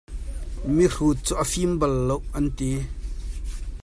Mihrut cu a fim bal lo an ti.